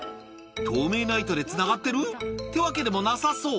透明な糸でつながってる？ってわけでもなさそう。